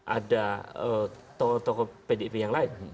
ada tokoh tokoh pdip yang lain